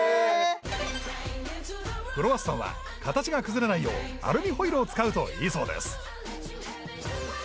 クロワッサンは形が崩れないようアルミホイルを使うといいそうです